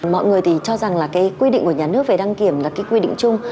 mọi người thì cho rằng là quy định của nhà nước về đăng kiểm là quy định chung